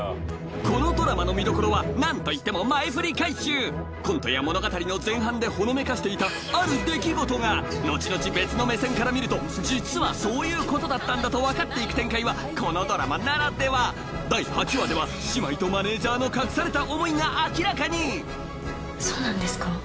このドラマの見どころは何といっても前フリ回収コントや物語の前半でほのめかしていたある出来事が後々別の目線から見ると実はそういうことだったんだと分かって行く展開はこのドラマならでは第８話ではそうなんですか？